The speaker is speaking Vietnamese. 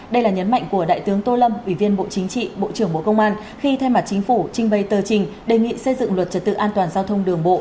đây là nhấn mạnh của đại tướng tô lâm ủy viên bộ chính trị bộ trưởng bộ công an khi thay mặt chính phủ trình bày tờ trình đề nghị xây dựng luật trật tự an toàn giao thông đường bộ